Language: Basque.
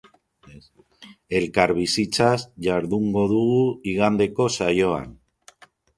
Elkarbizitzaz jardungo dugu igandeko saioan.